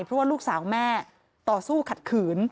เพราะว่าลูกสาวแม่ต่อสู้ขัดขืน